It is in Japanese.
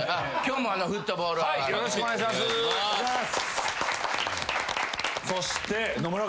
今日もフットボールアワーの。